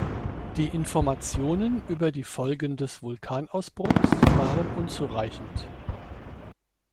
Die Informationen über die Folgen des Vulkanausbruchs waren unzureichend.